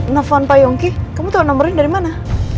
nafwan pak yongki kamu tau nomernya dari mana